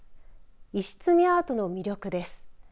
石積みアートの魅力です。